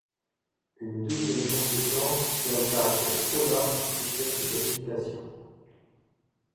Une deuxième conséquence tient au caractère trop large du critère de vérification.